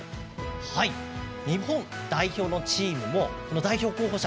日本代表のチームも代表候補者